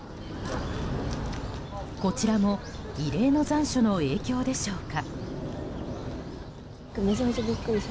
こちらも異例の残暑の影響でしょうか。